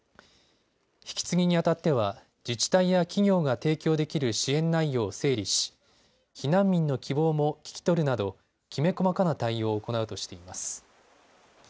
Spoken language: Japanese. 引き継ぎにあたっては自治体や企業が提供できる支援内容を整理し避難民の希望も聴き取るなどきめ細かな対応を行うとしています。